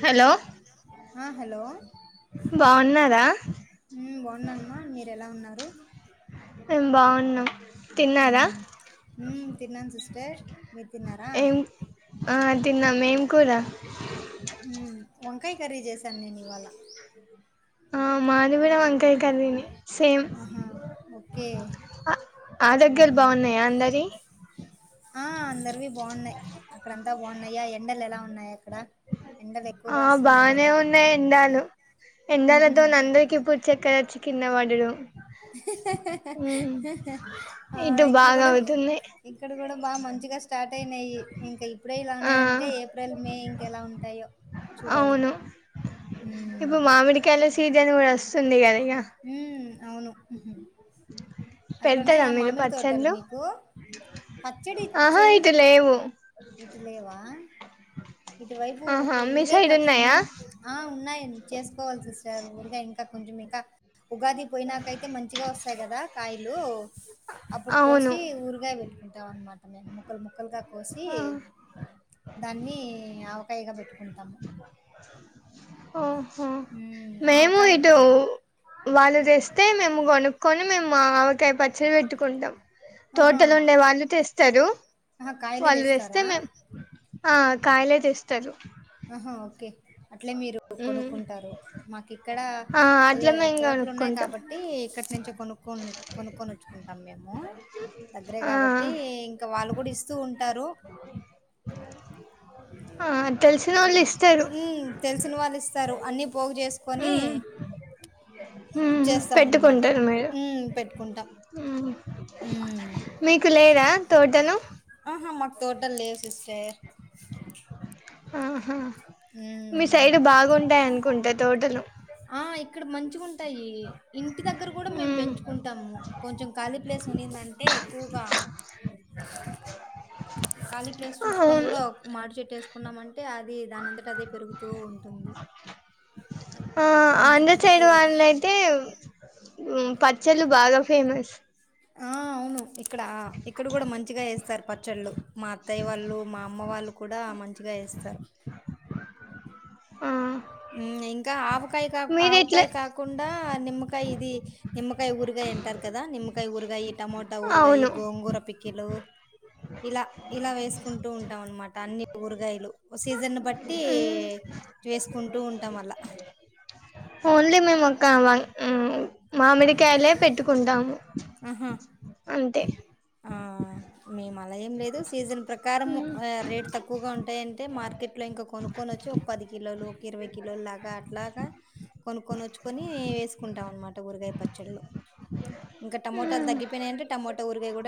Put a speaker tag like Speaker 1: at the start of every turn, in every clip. Speaker 1: hello
Speaker 2: ఆ hello
Speaker 1: బావున్నారా
Speaker 2: మ్ బావున్నానుమా మీరు ఎలా ఉన్నారు
Speaker 1: మేము బావున్నాం
Speaker 2: మ్ మ్ తిన్నాన్నాం సిస్టర్ మీరు తిన్నారా
Speaker 1: ఆ తిన్నాం ఏం కూర
Speaker 2: వంకాయ కర్రీ చేశాను నేను ఇవాళ
Speaker 1: ఆ మాది కూడా వంకాయ కర్రీ నే
Speaker 2: ఆహా ఓకే ఆ అందరవి బాగున్నాయి అక్కడంతా బాగున్నాయా ఎండలు ఎలా ఉన్నాయి అక్కడ
Speaker 1: ఆ బానే ఉన్నాయి ఎండాలు ఎండాలతోనే అందరికి పుచ్చకాయచ్చి కిందపడ్డాడు
Speaker 2: ఆ ఇక్కడ కూడా ఇక్కడ కూడా బాగా మంచిగా స్టార్ట్ అయినాయి ఇంకా ఇప్పుడే ఇలా ఉన్నాయంటే ఏప్రిల్ మే ఇంక ఎలా ఉంటాయో
Speaker 1: అవును ఇప్పు మామిడి కాయల సీజన్ సంధి గానే
Speaker 2: హ్మ్మ్ అవును అక్కడ ఉన్నాయా మామిడి తోటలు మీకు పచ్చడి చేయను ఇతి లేవా ఇటువైపు ఊరగాయ పచ్చి మేము ఆ ఉన్నాయి చేసుకోవాలి సిస్టర్ ఊరగాయ ఇంకా కొంచెం ఇంకా ఉగాది పోయినాకైతే మంచిగా వస్తాయి కదా కాయలు అప్పుడు కోసి ఊరగాయ పెట్టుకుంటాం అనమాట నేను ముక్కలు ముక్క ఒకలుగా కోసి దాన్ని ఆవకాయగా పెట్టుకుంటాము
Speaker 1: ఆహా ఆహా మేము ఇటు వాళ్ళు తెస్తే మేము కొనుక్కొని మేము మా ఆవకాయ పచ్చడి పెట్టుకుంటాం తోటలు ఉండే వాళ్ళు తెస్తారు
Speaker 2: ఆహా కాయలే తెస్తారా
Speaker 1: ఆ కాయలే తెస్తారు
Speaker 2: ఆహా ఓకే అట్లే మీరు కొనుక్కుంటారు మాకు ఇక్కడ అయ తోటలు ఉన్నాయి కాబట్టి ఇక్కడి నుంచే కొనుక్కొని కొనుక్కోని వచ్చుకు దగ్గరే కాబట్టి ఇంకా వాళ్ళు కూడా ఇస్తూ ఉంటారు
Speaker 1: ఆ తెలిసిన వాళ్ళు ఇస్తారు
Speaker 2: పోగు చేసుకొని
Speaker 1: హ్మ్ పెట్టుకుంటారు మీరు మీకులేదా తోట
Speaker 2: ఆహా మాకు తోటల్ లేవు సిస్టర్
Speaker 1: ఆహా మీ సైడ్ బాగుంటాయి అనుకుంటా తోటలు
Speaker 2: ఆ ఇక్కడ మంచి ఉంటాయి ఇంటి దగ్గర కూడా మేము పెంచుకుంటాము కొంచెం కాలి [unintelligible] ఉనిందంటే ఎక్కువగా కాలనీ ప్లేస్ చూసుకని కూడా ఒక మాట చెట్ చేసుకున్నామ అంటే అది దానింతటా అదే పెరుగుతూ ఉంటుంది
Speaker 1: ఆంధ్ర సైడ్ వాళ్ళు అయితే ఉమ్ పచ్చళ్ళు బాగా ఫేమస్
Speaker 2: ఆ అవును ఇక్కడ ఇక్కడ కూడా మంచిగా వేస్తారు పచ్చళ్ళు మా అత్తయ్య వాళ్ళు మా అమ్మ వాళ్ళు కూడా మంచిగా ఎస్తారు హ్మ్ ఇంకా ఆవకాయ కా ఆవకాయ కాకుండా నిమ్మకాయ ఇది నిమ్మకాయ ఉరగా అంటారు కదా నిమ్మకాయ ఊరగాయ టమోటా ఊరగాయ గోంగూర పికిలు ఇలా ఇలా వేసుకుంటూ ఉంటాం అనమాట అన్ని ఊరగాయలు సీజన్ బట్టి వేసుకుంటు ఉంటాం అలా
Speaker 1: ఓన్లీ మేము ఒక ఉమ్ మామిడికాయలే పెట్టుకుంటాము అంతే
Speaker 2: ఆ మేమ ఏం లేదు సీజన్ ప్రకారం రేట్ తక్కువగా ఉంటాయంటే మార్కెట్ లో ఇంకా కొనుక్కొని వచ్చి ఓ పది కిలోలు ఒక ఇరవై కిలోలు లాగా అట్లాగా కొనుక్కొని వచ్చుకోని వేసుకుంటాం అనమాట ఊరగాయ పచ్చళ్ళు ఇంకా టమోటాలు తగ్గిపోయినాయి అంటే టమోటా ఊరగాయ కూడా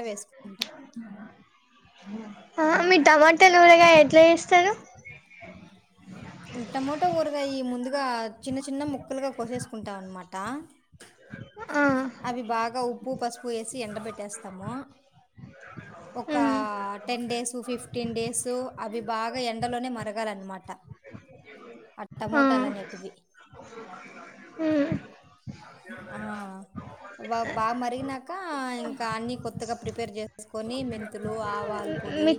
Speaker 1: అ టమాట లోవులే గా ఎట్లా పేరు
Speaker 2: టమాటా ఊరగాయ ముందుగా చిన్న చిన్న ముక్కలుగా కోసేసుకుంటాం అన్నమాట
Speaker 1: అ
Speaker 2: అవి బాగా ఉప్పు పసుపు వేసి ఎండ పెెట్టేస్తాము ఒక టెన్ డేస్ ఫిఫ్టీన్ డేస్ అవి బాగా ఎండలోనే మరగాలన్నమాట ఆ టమోటోలానెటివి ఆ బా బాగా మరిగినక ఇంకా అన్ని కొత్తగా ప్రిపేర్ చేసుకొని మెంతులు ఆవాల్ పొడి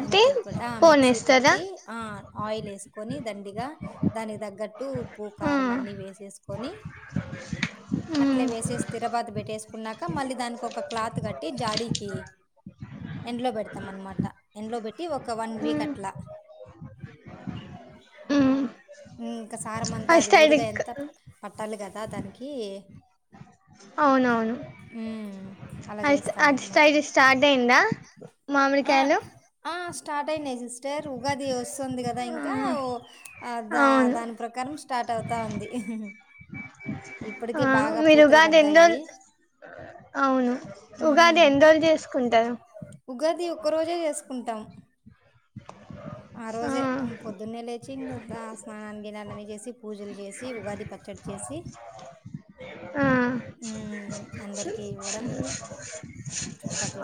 Speaker 2: మెంతుల్ ప ఆ మిక్సీ పట్టి ఆ ఆయిల్ ఏస్కొని దండి గా దానికి తగ్గట్టు ఉప్పు కారం అన్ని వేసేసుకొని
Speaker 1: [inaudible]
Speaker 2: అట్లే వేసేస్ తిరబాత పెట్టేసుకున్నాక మళ్ళీ దానికి ఒక క్లాత్ కట్టి జాడీకి
Speaker 1: [inaudible]
Speaker 2: ఎండ్లో పెడతాం అనమాట ఎండ్లో పెట్టి ఒక వన్ వీక్ అట్లా హుమ్ ఇంకా సారం అంతా అది ఊరగాయ్ ఎంత పట్టాలి కదా దా కి
Speaker 1: అవునవును అద్ ఆర్డస్యిది స్టార్ట్ అయిందా మామిడికాయలు
Speaker 2: స్టార్ట్ అయినాయ్ సిస్ స్టర్ ఉగాది వస్తుంది కదా ఇంకా ఓ ఆ దా దాని ప్రకారం స్టార్ట్ అవుతా ఉంది ఏ [inaudible]
Speaker 1: [inaudible]
Speaker 2: ఇప్పటికె బాగా పూతలు పడ్డాయి
Speaker 1: అవును ఉగాది ఎన్రోల్ చేసుకుంటారు
Speaker 2: ఉగాది ఒక్కరోజే చేసుకుంటాం ఆ రోజే అ పొద్దున్నే లేచి ఇంగ ద స్నాన్ని గినాలని చేసి పూజలు చేసి ఉగాది పచ్ చ్చడి చేసి
Speaker 1: [inaudible]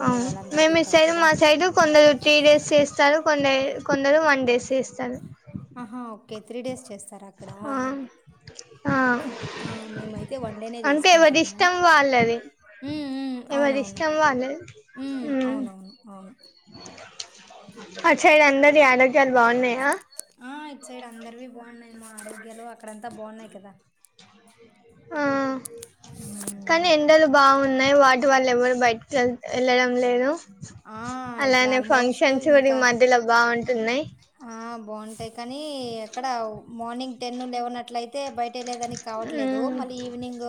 Speaker 1: ఆ అవ్ మేం ఇట్ సైడ్ మా సైడు కొందరు త్రీ డేస్ చేస్తారు కొండే కొందరు వన్ డేస్ చేస్తారు
Speaker 2: ఆహా ఓకే త్రీ డేస్ చేస్తార అక్కడ
Speaker 1: ఆ అంటే ఎవరిష్టం వాళ్ళది ఎవరిష్టం వాళ్ళద్ హు మ్ ఆట్ చైడ్ అందరి ఆరోగ్యాలు బాగున్నాయా
Speaker 2: ఇట్ సైడ్ అందరవి బాగున్నాయ్ మా ఆరోగ్యాలు అక్కడంతా బాగున్నాయ్ కదా
Speaker 1: ఆ కానీ ఎండలు బాగున్నాయ్ వాటి వాళ్ళు ఎవరు బయటకి వెళ్ వెళ్ళడం లేదు అలానే ఫంక్షన్స్ కూడా ఈ మధ్యల బాగుంటున్నాయ్
Speaker 2: బాగుంటాయి కానీ ఎక్కడ మార్నింగ్ టెన్ లెవెన్ అట్ల అయితే బై ట్టే లేదని కావట్లేదు మళ్ళీ ఈవినింగ్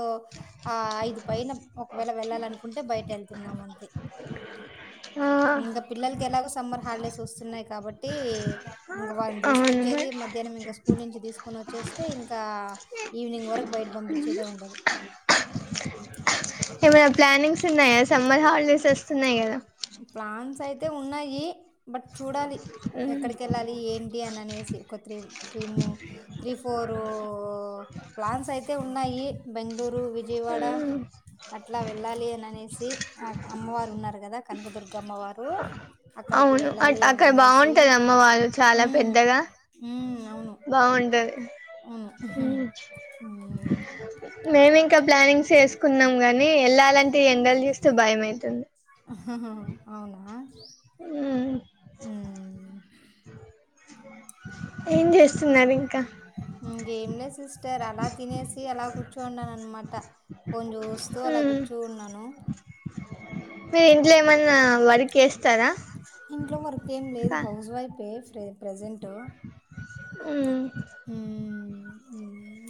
Speaker 2: ఆ ఐదు పైన ఒకవేళ వెళ్ళాలి అనుకుంటే బయట వెళ్తున్నాం అంతే ఇంకా పిల్లలకి ఎలాగో సమ్మర్ హాలిడేస్ వస్తున్నాయి కాబట్టి ఇంకా వాళ్ళ తీసుకొచ్చేది మధ్యాహ్నం ఇంక స్కూల్ నించి తీసుకొని వచ్చేస్తే ఇంకా ఈవినింగ్ వరక్ బయట్క్ పంపించేదే ఉండదు
Speaker 1: [inaudible] ఏమైనా ప్లానింగ్స్ ఉన్నాయా సమ్మర్ హాలిడేస్ వస్తున్నాయ్ కదా
Speaker 2: ప్లాన్స్ అయితే ఉన్నాయి బట్ చూడాలి ఎక్కడికేళ్ళాలి ఏంటి అని అనేసి ఒక త్రీ త్రీ మూ త్రీ ఫోర్ రు ప్లాన్స్ అయితే ఉన్నాయి బెంగళూరు విజయవాడ అట్లా వెళ్ళాలి అని అనేసి ఆ అమ్మవారు ఉన్నారు కదా కనకదుర్గ అమ్మవారు అక్కడికి వెళ్ళాలి అని అనేసి ఆ ఆ అవును
Speaker 1: దే మేమ్ ఇంకా ప్లానింగ్స్ చేసుకున్నాం గాని ఏళ్ళాలంటే ఎండలు చూస్తూ భయమైతుం
Speaker 2: అవునా
Speaker 1: ఆ
Speaker 2: ఆ
Speaker 1: ఏం చేస్తున్నార్ ఇంకా
Speaker 2: ఇకేం లేదు సిస్టర్ అలా తినేసి అలా కూర్చోండాన అనమాట ఫోన్ చూస్తూ అలా కూర్చున్నాను
Speaker 1: మీరు ఇంట్లో ఏమన్నా వర్క్ చేస్తారా
Speaker 2: ప్రెజెంట్
Speaker 1: ఆ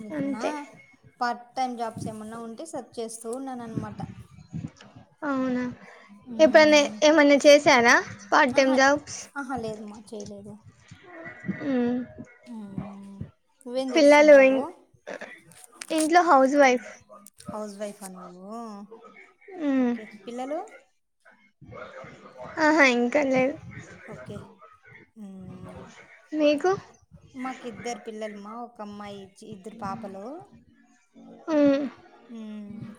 Speaker 2: ఇకునా పార్ట్ టైమ్ జాబ్స్ ఏమన్నా ఉంటే స చేస్తూ ఉన్నాను అన్నమాట
Speaker 1: అవునా ఎప్పుడన్నా ఏమన్నా చేశారా పార్ట్ టైమ్ జాబ్స్
Speaker 2: చేయలేదు
Speaker 1: హ్మ్మ్ పిల్లలు ఇంట్లో హౌస్ వైఫ్
Speaker 2: హౌస్ వైఫ్ అని నువ్వు ఓకే పిల్లలు
Speaker 1: ఆహా ఇంకా లేదు
Speaker 2: మాకు ఇద్దరు పిల్లలుమా ఒక అమ్మాయి ఇద్దరు పాపలు
Speaker 1: ఆ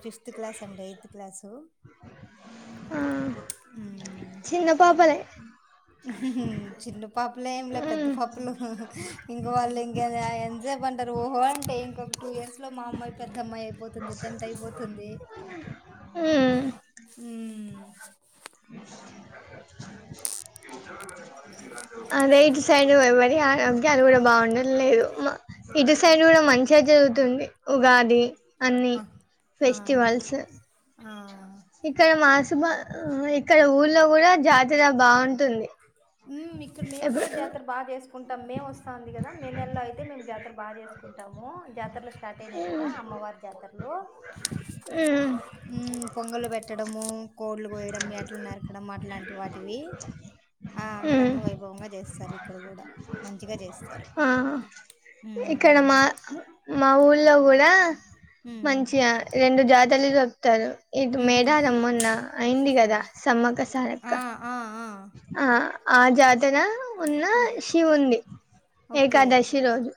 Speaker 2: ఫిఫ్త్ క్లాస్ అండి ఎయిత్ క్లాసు
Speaker 1: ఆ
Speaker 2: చిన్న పాపు ప్పుం లే పెద్ద పప్పులు ఇంక వాళ్ళు ఇంక ఎంజాయ్ పంటారు ఓహో అంటే ఇంకొక టూ ఇయర్స్ లో మా అమ్మాయి పెద్ద అమ్మాయి అయిపోతుంది టెన్త్ అయిపోతుంది అ
Speaker 1: ఇటు సైడ్వరి అది కూడా బాగుండట్లేదు ఇటు సైడ్ కూడా మంచిగా జరుగుతుంది ఉగాది అన్నీ ఫెస్టివల్స్ ఇక్కడ మాసుబా ఇక్కడ ఊర్లో కూడా జాతర బాగుంటుంది
Speaker 2: ఇక్కడ మేము కూడా జాతర బాగా చేసుకుంటాం మే వస్తాంది కదా మే నెలలో అయితే మేము జాతర బాగా చేసుకుంటాము జాతరలు స్టార్ట్ అయినాయి కదా అమ్మవారి జాతరలు ఉ పొంగల్ పె పెట్టడము కోడ్లు పోయడం ఎట్లు నరకడం అట్లాంటివి వాటివి ఆ అంగరంగ వైభవంగా చేస్తస్తారు ఇక్కడ కూడా మంచిగా చేస్తారు
Speaker 1: ఆ ఇక్కడ మా మా ఊళ్లో కూడా మంచిగా రెండు జాతలు చెప్తారు ఇది మేడ రమ్మన్న అయింది కదా సమ్మక్క
Speaker 2: ఆ ఆ
Speaker 1: ఆ ఆ జాతర ఉన్న శివు ఉంది ఏకాదశి రోజు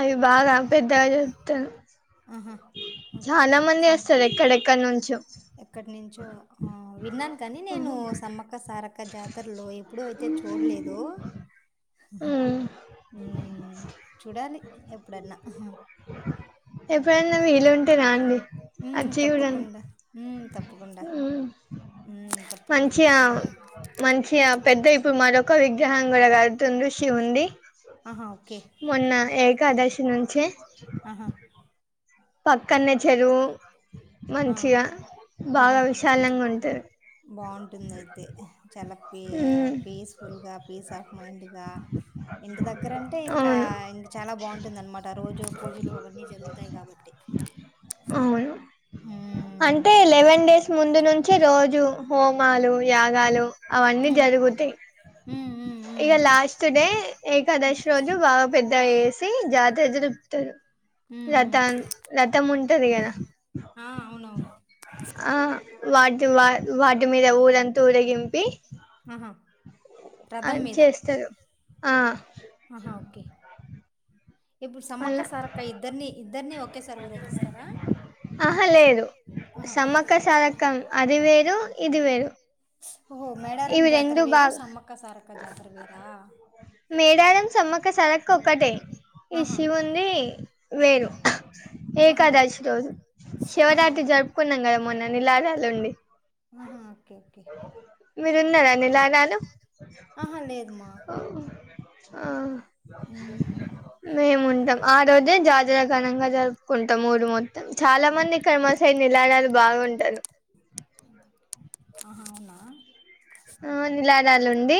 Speaker 1: అవి బాగా పెద్దగా చెప్తాను చాలా మంది వస్తారు ఎక్కడెక్కడ నుంచో
Speaker 2: ఎక్కడ నుంచో విన్నాను కాని నేను సమ్మక్క సారక్క జాతరలో ఎప్పుడ అయితే చూ చడలేదు ఉ చూడాలి ఎప్పుడన్నా
Speaker 1: ఎప్పుడన్నా వీలు ఉంటే రాండి అచ్చి చూడం
Speaker 2: తప్పకుండా
Speaker 1: మంచిగా మంచిగా పెద్ద ఇప్పుడు మరొ ఒక విగ్రహం కూడా కడుతుండ్రు శివుంది మొన్న ఏ కాదశి నుంచే
Speaker 2: ఆహా
Speaker 1: పక్కనే చెరువు మంచిగా బాగా విశాలంగా ఉంటది
Speaker 2: బాగుంటుంది అయితే చాలా పీ పీస్ఫుల్గా పీస్ ఆఫ్ మైండ్గా ఇంటి దగ్గర అంటే ఇంకా ఇంకా చాలా బాగుంటుందన్నమాట రోజు పూజలు అవన్నీ జరుగుతాయి కాబట్టి
Speaker 1: అవును అంటే లెవెన్ డేస్ ముందు నుంచి రోజు హోమాలు యాగాలు అవన్నీ జరుగుతయి ఇగ లాస్ట్ డే ఏకాదశి రోజు బాగా పెద్ద చేసి జాతరూపుతారు రతాన్ ఉంటది కదా ఆ వాటి వాటి మీద ఊరంత ఊరేగింపి అని చేస్తారు ఆ
Speaker 2: ఇప్పుడు సమ్మక్క సారక్క ఇద్దరిని ఇద్దరినీ ఒకేసారి ఊరేగిస్తారా
Speaker 1: ఆహా లేదు సమ్మక్క సారక్క అది వేరు ఇది వేరు
Speaker 2: ఓహో మేడారం జాతర వేరు సమ్మక్క సారక్క జాతర వేరా
Speaker 1: మేడారం సమ్మక్క సారక్క ఒకటే ఈ శివుంది వేరు ఏకాదశి రోజు శివరాత్రి జరుపుకున్నాం కదా మొన్న నిలాదాలు ఉండి
Speaker 2: ఆహా ఓకే ఓకే
Speaker 1: మీరు ఉన్నారా నిలాదాలు
Speaker 2: ఆహా లేదుమా
Speaker 1: ఆ మేము ఉంటాం ఆ రోజే జాతర ఘనంగా జరుపుకుంటాం ఊరు మొత్తం చాలా మంది ఇక్కడ మా నిలాదాలు బాగుంటారూ
Speaker 2: ఆహా అవునా
Speaker 1: ఆ నిలాదాలుండి